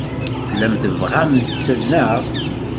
Tellam tebɣam-tt, naɣ?